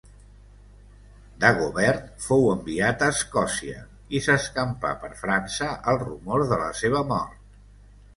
Dagobert fou enviat a Escòcia, i s'escampà per França el rumor de la seva mort.